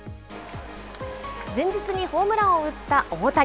前日にホームランを打った大谷。